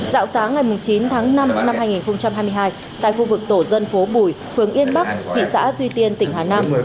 dạng sáng ngày chín tháng năm năm hai nghìn hai mươi hai tại khu vực tổ dân phố bùi phường yên bắc thị xã duy tiên tỉnh hà nam